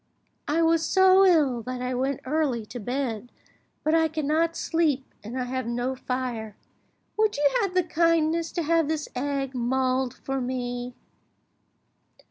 I was so ill that I went early to bed, but I cannot sleep, and I have no fire. Would you have the kindness to have this egg mulled for me?"